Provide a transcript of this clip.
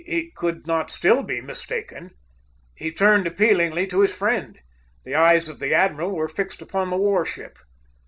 He could not still be mistaken. He turned appealingly to his friend. The eyes of the admiral were fixed upon the war ship.